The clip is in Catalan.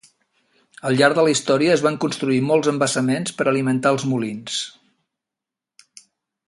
Al llarg de la història, es van construir molts embassaments per a alimentar els molins.